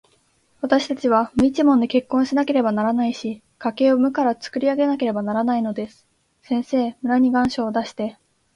わたしたちは無一文で結婚しなければならないし、家計を無からつくり上げなければならないのです。先生、村に願書を出して、